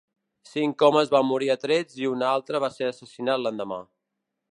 Cinc homes van morir a trets i un altre va ser assassinat l'endemà.